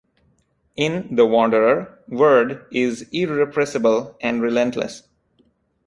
In "The Wanderer", "wyrd" is irrepressible and relentless.